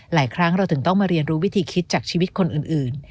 หลายครั้งเราถึงต้องมาเรียนรู้วิธีคิดจากชีวิตคนอื่น